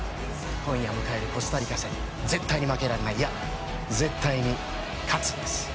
今夜迎えるコスタリカ戦絶対に負けられないいや、絶対に勝つんです。